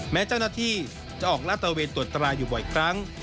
แม้เจ้าหน้าที่จะออกลาดตะเวนตรวจตราอยู่บ่อยครั้ง